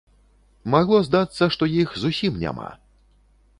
Магло здацца, што іх зусім няма.